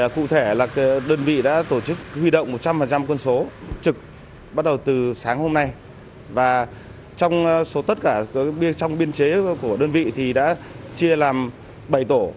cụ thể là đơn vị đã tổ chức huy động một trăm linh quân số trực bắt đầu từ sáng hôm nay và trong số tất cả trong biên chế của đơn vị thì đã chia làm bảy tổ